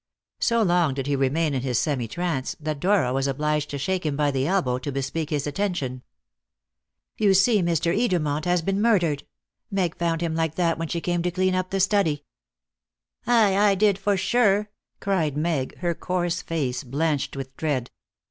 So long did he remain in his semi trance, that Dora was obliged to shake him by the elbow to bespeak his attention. "You see Mr. Edermont has been murdered. Meg found him like that when she came to clean up the study." "Aye, I did for sure!" cried Meg, her coarse face blanched with dread.